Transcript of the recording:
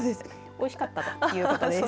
おいしかったということです。